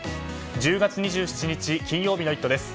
１０月２７日、金曜日の「イット！」です。